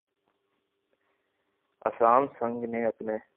اسام سنگ نے اپنے